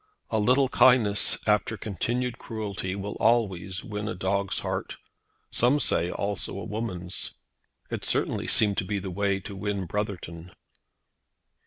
A little kindness after continued cruelty will always win a dog's heart; some say, also a woman's. It certainly seemed to be the way to win Brotherton.